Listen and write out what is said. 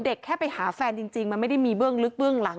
แค่ไปหาแฟนจริงมันไม่ได้มีเบื้องลึกเบื้องหลัง